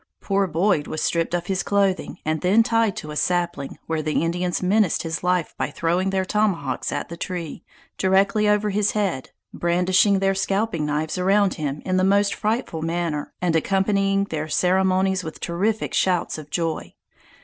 Poor Boyd was stripped of his clothing, and then tied to a sapling, where the Indians menaced his life by throwing their tomahawks at the tree, directly over his head, brandishing their scalping knives around him in the most frightful manner, and accompanying their ceremonies with terrific shouts of joy.